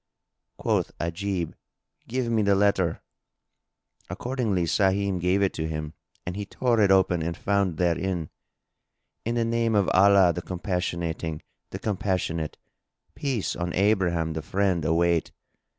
Quoth Ajib, "Give me the letter;" accordingly Sahim gave it to him and he tore it open and found therein, "In the name of Allah the Compassionating, the Compassionate! Peace on Abraham the Friend await!